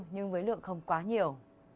nhưng với lượng không quá nhiều